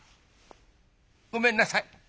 「ごめんなさい。